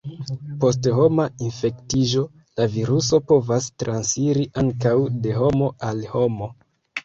Post homa infektiĝo, la viruso povas transiri ankaŭ de homo al homo.